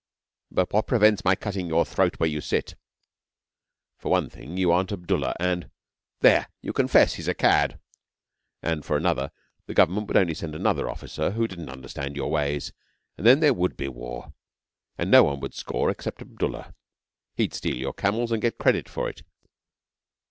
'But what prevents my cutting your throat where you sit? 'For one thing, you aren't Abdullah, and ' 'There! You confess he's a cad!' 'And for another, the Government would only send another officer who didn't understand your ways, and then there would be war, and no one would score except Abdullah. He'd steal your camels and get credit for it.'